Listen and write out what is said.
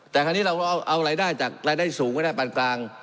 แต่คราวนี้เราเอารายได้จากรายได้สูงไว้ได้ปันกลาง